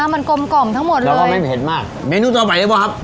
มันกลมกล่อมทั้งหมดเลยแล้วก็ไม่เผ็ดมากเมนูต่อไปหรือเปล่าครับ